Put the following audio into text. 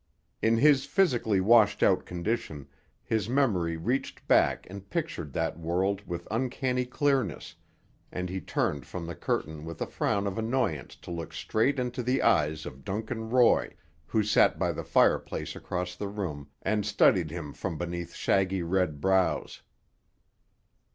In his physically washed out condition his memory reached back and pictured that world with uncanny clearness, and he turned from the curtain with a frown of annoyance to look straight into the eyes of Duncan Roy, who sat by the fireplace across the room and studied him from beneath shaggy red brows.